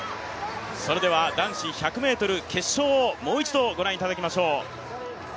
男子１００ｍ決勝をもう一度ご覧いただきましょう。